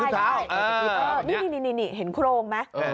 ใช่นี่เห็นโครงไหม